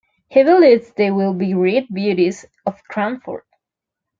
He believes they will be great beauties of Cranford.